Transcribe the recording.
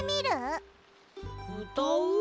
うたう？